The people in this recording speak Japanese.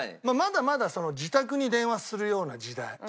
まだまだ自宅に電話するような時代。